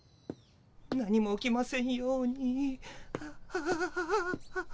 何も起きませんように。